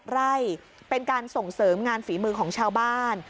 ไร่เป็นการส่งเสริมงานฝีมือของชาวบ้าน